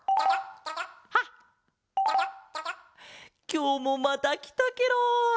きょうもまたきたケロ。